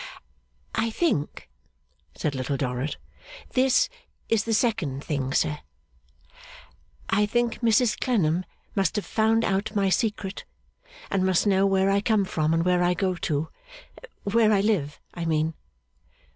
'I think,' said Little Dorrit 'this is the second thing, sir I think Mrs Clennam must have found out my secret, and must know where I come from and where I go to. Where I live, I mean.